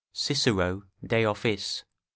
Cicero, De Offic., i.